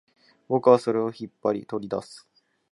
僕はそれを引っ張り、取り出す